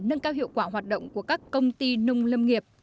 nâng cao hiệu quả hoạt động của các công ty nông lâm nghiệp